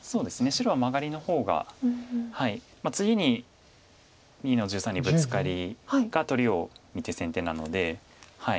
白はマガリの方が次に２の十三にブツカリか取りを見て先手なので。